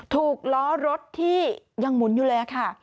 ถูกล้อรถที่ยังหมุนอยู่เลยค่ะ